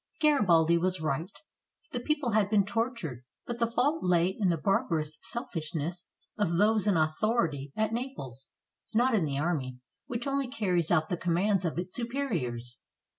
Garibaldi was right. The people had been tortured, but the fault lay in the barbarous selfishness of those in au thority at Naples, not in the army, which only carries out the commands of its superiors.